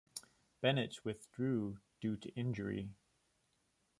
Bennett withdrew due to injury.